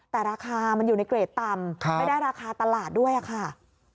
แต่ราคามันอยู่ในเกรดต่ำไม่ได้ราคาตลาดด้วยค่ะ